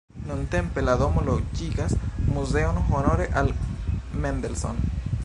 Nuntempe la domo loĝigas muzeon honore al Mendelssohn.